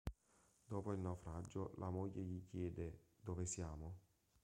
Dopo il naufragio, la moglie gli chiede "Dove siamo?